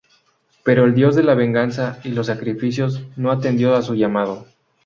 Pero el Dios de la venganza y los sacrificios no atendió a su llamado.